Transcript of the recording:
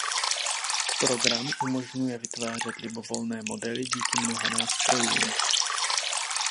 Program umožňuje vytvářet libovolné modely díky mnoha nástrojům.